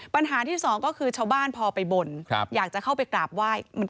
ปัญหาที่สองก็คือชาวบ้านพอไปบ่นอยากจะเข้าไปกราบไหว้